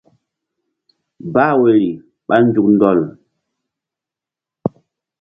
Bah woyri ɓa nzuk ɗɔl.